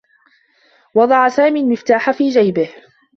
وضع سامي المفتاح في جيبه.